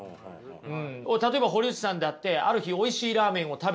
例えば堀内さんだってある日おいしいラーメンを食べてね